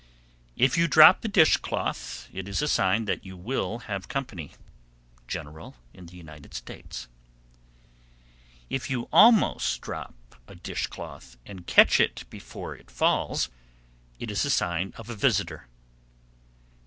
_ 745. If you drop the dish cloth, it is a sign you will have company. General in the United States. 746. If you almost drop a dish cloth and catch it before it falls, it is a sign of a visitor.